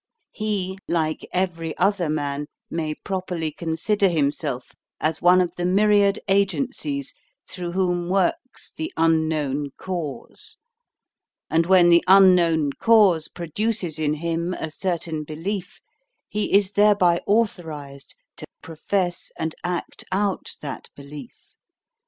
He, like every other man, may properly consider himself as one of the myriad agencies through whom works the Unknown Cause; and when the Unknown Cause produces in him a certain belief, he is thereby authorised to profess and act out that belief.